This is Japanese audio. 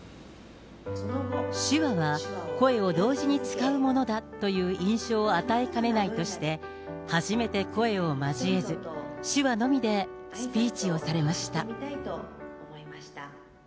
手話は声を同時に使うものだという印象を与えかねないとして、初めて声を交えず、手話のみでスピーチをされました。